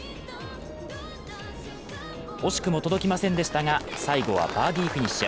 惜しくも届きませんでしたが最後はバーディーフィニッシュ。